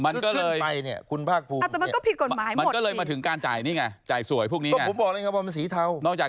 นั่นก็เลยมาถึงการจ่ายนี้ไงจ่ายสวยพวกนี้ไง